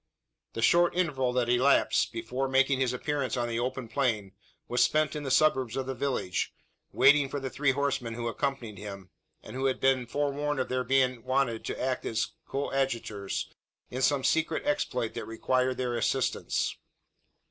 The short interval that elapsed, before making his appearance on the open plain, was spent in the suburbs of the village waiting for the three horsemen who accompanied him, and who had been forewarned of their being wanted to act as his coadjutors, in some secret exploit that required their assistance.